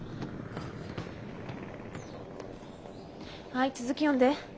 はい続き読んで。